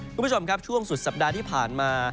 คุณผู้ชมครับช่วงสุดสัปดาห์ที่ผ่านมา